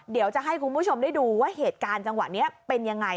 เดี๋ยวจะให้คุณผู้ชมได้ดูว่าเหตุการณ์จังหวะนี้เป็นยังไง